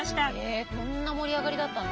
えこんな盛り上がりだったんだ。